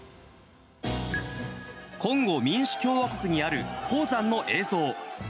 コンゴ民主共和国にある鉱山の映像。